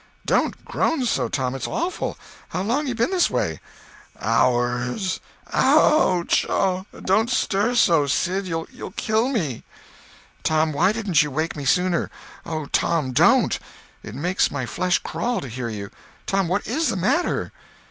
Don't groan so, Tom, it's awful. How long you been this way?" "Hours. Ouch! Oh, don't stir so, Sid, you'll kill me." "Tom, why didn't you wake me sooner? Oh, Tom, don't! It makes my flesh crawl to hear you. Tom, what is the matter?"